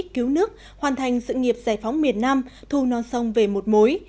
cứu nước hoàn thành sự nghiệp giải phóng miền nam thu non sông về một mối